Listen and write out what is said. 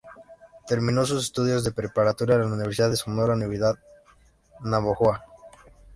Terminó sus estudios de preparatoria en la Universidad de Sonora unidad Navojoa.